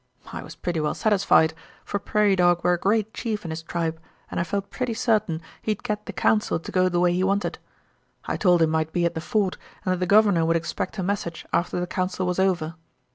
I was pretty well satisfied, for Prairie Dog were a great chief in his tribe, and I felt pretty sartin he'd git the council to go the way he wanted. I told him I'd be at the fort and that the governor would expect a message after the council was over.